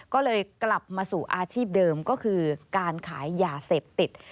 ก็เลยกลับมาสู่อาชีพเดิมก็คือการขายยาเสพติด